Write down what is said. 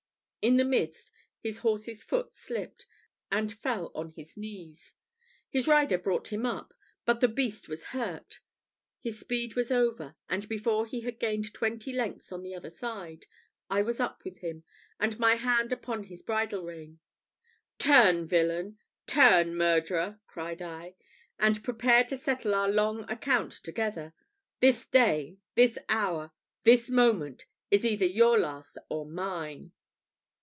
In the midst his horse's foot slipped, and fell on his knees. His rider brought him up; but the beast was hurt, his speed was over, and before he had gained twenty lengths on the other side, I was up with him, and my hand upon his bridle rein. "Turn, villain! Turn, murderer!" cried I, "and prepare to settle our long account together. This day, this hour, this moment, is either your last or mine."